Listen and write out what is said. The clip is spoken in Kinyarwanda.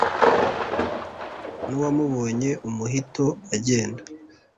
nu wamubonye umuhito agenda,